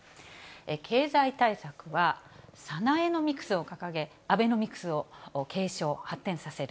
経済対策は、サナエノミクスを掲げ、アベノミクスを継承・発展させる。